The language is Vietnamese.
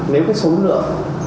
nếu cái số lượng